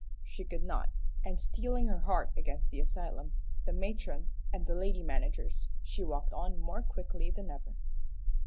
She could not, and steeling her heart against the asylum, the matron, and the lady managers, she walked on more quickly than ever.